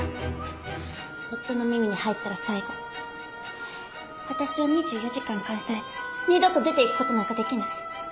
夫の耳に入ったら最後私は２４時間監視されて二度と出ていく事なんかできない。